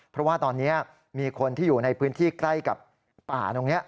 เพราะว่าตอนนี้มีคนที่อยู่ในพื้นที่ใกล้กับป่าตรงนี้